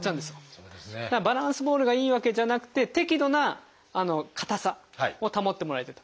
バランスボールがいいわけじゃなくて適度な硬さを保ってもらいたいと。